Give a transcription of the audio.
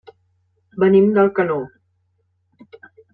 Venim d'Alcanó.